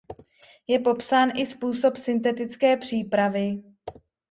Je popsán i způsob syntetické přípravy.